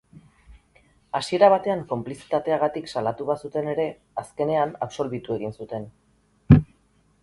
Hasiera batean konplizitateagatik salatu bazuten ere, azkenean absolbitu egin zuten.